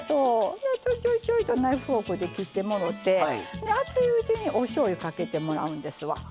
ちょいちょいちょいとナイフフォークで切ってもろて熱いうちにおしょうゆかけてもらうんですわ。